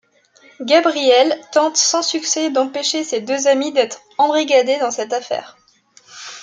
Gabriel tente sans succès d'empêcher ses deux amis d'être embrigadés dans cette affaire.